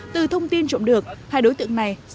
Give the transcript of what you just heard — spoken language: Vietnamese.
từ thông tin trộm được hai đối tượng này sẽ được trộm cắp